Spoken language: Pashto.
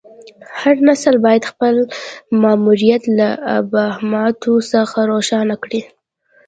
هر نسل باید خپل ماموریت له ابهاماتو څخه روښانه کړي.